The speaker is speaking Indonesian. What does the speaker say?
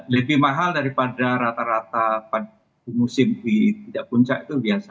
lebih mahal daripada rata rata pada musim di tidak puncak itu biasa